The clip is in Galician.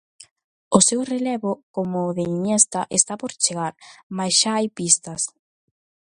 O seu relevo, como o de Iniesta, está por chegar, mais xa hai pistas.